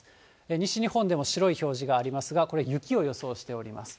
西日本でも白い表示がありますが、これ、雪を予想しております。